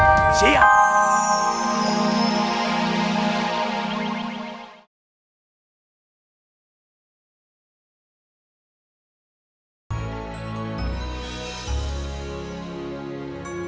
kami siluman kepenting